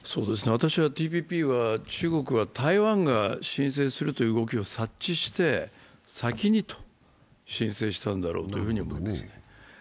私は、ＴＰＰは中国は台湾が申請するという動きを察知して、先にと、申請したんだろうというふうに思います。